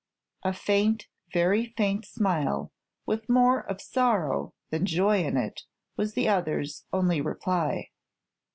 A faint, very faint smile, with more of sorrow than joy in it, was the other's only reply.